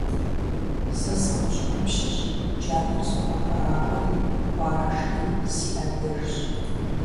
Сэ сыгъущӀ Ӏэпщэщ, джатэр согъэхуэрахуэри хуарэшри си Ӏэдэжщ.